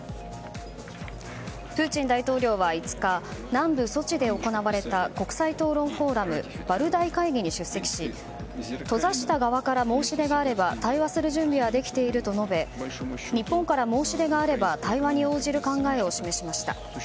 プーチン大統領は５日南部ソチで行われた国際討論フォーラムバルダイ会議に出席し閉ざした側から申し出があれば対話する準備はできていると述べ日本から申し出があれば対話に応じる考えを示しました。